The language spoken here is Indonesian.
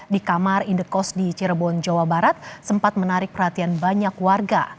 di kamar indekos di cirebon jawa barat sempat menarik perhatian banyak warga